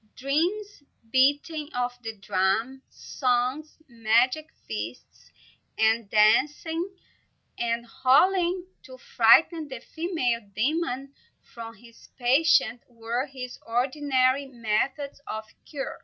Dreams, beating of the drum, songs, magic feasts and dances, and howling to frighten the female demon from his patient, were his ordinary methods of cure.